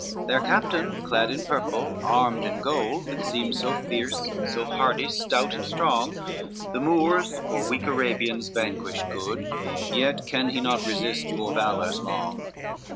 XVII "Their captain clad in purple, armed in gold, That seems so fierce, so hardy, stout and strong, The Moors or weak Arabians vanquish could, Yet can he not resist your valors long.